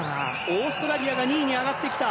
オーストラリアが２位に上がってきた。